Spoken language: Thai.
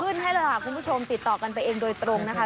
ขึ้นให้แล้วคุณผู้ชมติดต่อกันไปเองโดยตรงนะคะ